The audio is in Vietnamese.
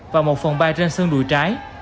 và một phần bài trên xương đùi trái